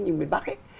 nhưng miền bắc ấy